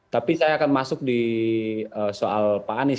tapi saya akan masuk di soal pak anies